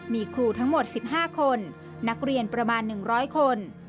มีครูทั้งหมด๑๕คนนักเรียนประมาณ๑๐๐คน